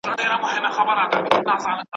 ایا نظام د دولت په کنټرول کي دی؟